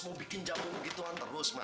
mau bikin jamur gituan terus mau